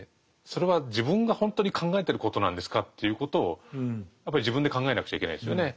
それは自分がほんとに考えてることなんですか？ということをやっぱり自分で考えなくちゃいけないですよね。